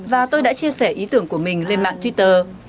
và tôi đã chia sẻ ý tưởng của mình lên mạng twitter